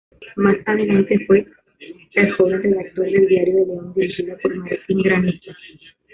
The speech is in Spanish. Más adelante fue el joven redactor del Diario de León dirigido por Martín Granizo.